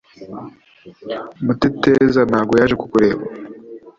Mutêtêza nago yaje kukureba